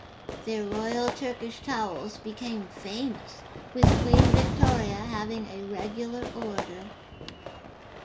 Their Royal Turkish towels became famous, with Queen Victoria having a regular order.